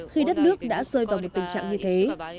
khi đất nước đã rơi vào một tình trạng như thế